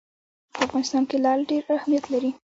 په افغانستان کې لعل ډېر اهمیت لري.